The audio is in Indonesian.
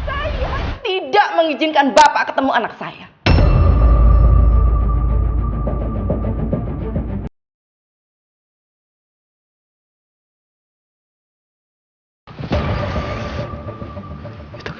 untuk mengganggu hidup anak saya lagi